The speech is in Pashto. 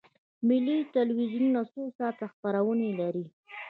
ملي تلویزیون څو ساعته خپرونې لري؟